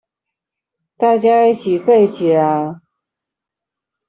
大家一起廢起來